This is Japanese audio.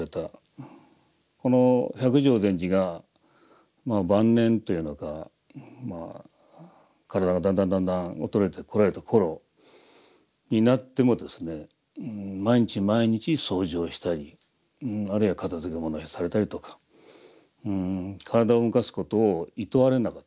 この百丈禅師がまあ晩年というのか体がだんだんだんだん衰えてこられた頃になってもですね毎日毎日掃除をしたりあるいは片づけものをされたりとか体を動かすことをいとわれなかったんですね。